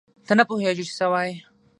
ته نه پوهېږې چې څه وایې.